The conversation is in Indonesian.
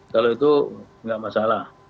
kalau itu enggak masalah